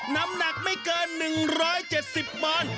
น้ำหนักไม่เกิน๑๗๐บาท